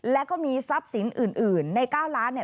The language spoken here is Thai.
และก็มีทรัพย์สินอื่นใน๙ล้าน